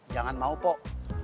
jangan mau pok